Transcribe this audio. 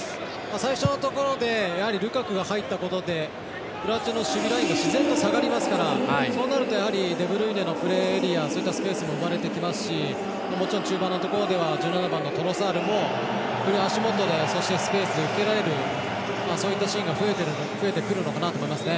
最初のところでルカクが入ったことでクロアチアの守備ラインが自然と下がりますからそうなるとデブルイネのプレーエリアそういったスペースも生まれてきますしもちろん中盤のところでは１７番トロサールも足元でそして、スペースを受けられるそういったシーンが増えてくるのかなと思いますね。